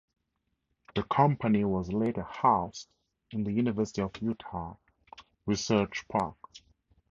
The company was later housed in the University of Utah Research Park.